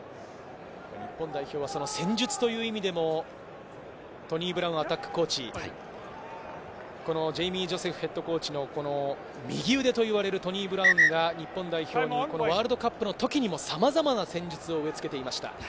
日本代表は戦術という意味でも、トニー・ブラウンアタックコーチ、ジェイミー・ジョセフヘッドコーチの右腕といわれるトニー・ブラウンが日本代表にワールドカップの時にもさまざまな戦術を植えつけていました。